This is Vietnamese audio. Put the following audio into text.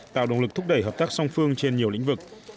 tạo động lực thúc đẩy hợp tác song phương trên nhiều lĩnh vực